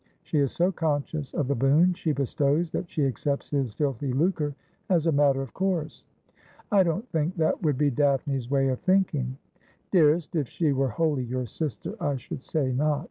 She is so conscious of the boon she bestows that she accepts his filthy lucre as a matter of course.' ' I don't think that would be Daphne's way of thinking.' ' Dearest, if she were wholly your sister I should say not.